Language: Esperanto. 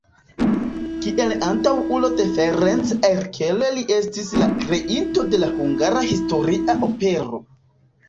Kiel antaŭulo de Ferenc Erkel li estis la kreinto de la hungara historia opero.